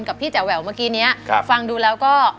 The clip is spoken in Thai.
พี่แจ๋แหววเมื่อกี้นี้ฟังดูแล้วก็